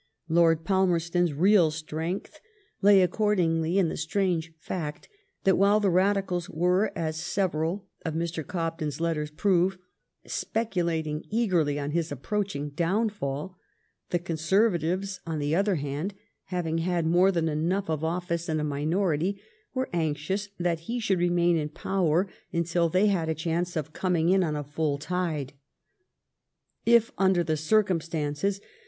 Lord Palmer* ston's real strength lay accordingly in the strange fact that while the Radicals were, as several of Mr. Cobden's letters prove, speculating eagerly on his approaching downfall, the Conservatives on the other hand, having* had more than enough of office in a minority, were anxious that he should remain in power until they had a ohanoe of eoming in on a full tide. If, under dM circumstances.